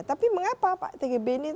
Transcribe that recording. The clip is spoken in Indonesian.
tapi mengapa pak tgb ini